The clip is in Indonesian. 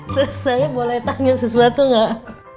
saya boleh tanya sesuatu nggak